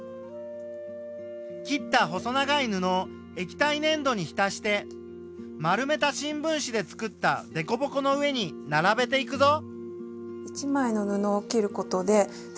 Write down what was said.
切った細長い布を液体ねん土にひたして丸めた新聞紙でつくったでこぼこの上にならべていくぞ。